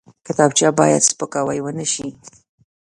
کتابچه باید سپکاوی ونه شي